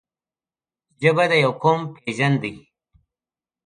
ژبه د یو قوم پېژند دی.